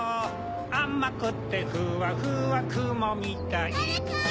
あまくてふわふわくもみたい・だれか！